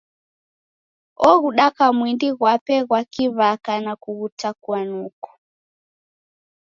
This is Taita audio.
Oghudaka mwindi ghwape ghwa ki'waka na kughutakua noko.